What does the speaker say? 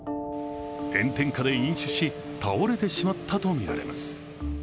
炎天下で飲酒し倒れてしまったとみられます。